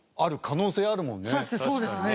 確かにそうですね。